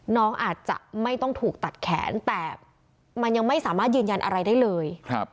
น้องอาจจะไม่ต้องถูกตัดแขนแต่มันยังไม่สามารถยืนยันอะไรได้เลย